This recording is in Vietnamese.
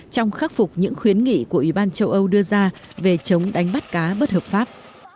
trong khắc phục những khuyến nghị của ủy ban châu âu đưa ra về chống đánh bắt cá bất hợp pháp